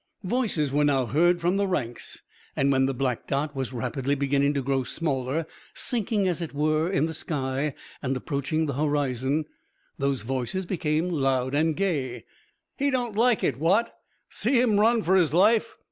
Voices were now heard from the ranks and when the black dot was rapidly beginning to grow smaller, sinking, as it were, in the sky and approaching the horizon, those voices became loud and gay. "He don't like it, what! See him run for his life!